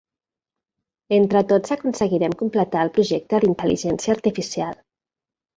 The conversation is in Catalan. Entre tots aconseguirem completar el projecte d'intel.ligència artificial